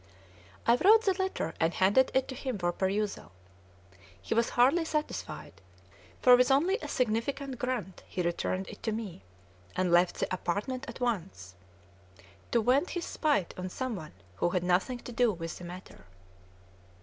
I wrote the letter, and handed it to him for perusal. He was hardly satisfied, for with only a significant grunt he returned it to me, and left the apartment at once, to vent his spite on some one who had nothing to do with the matter.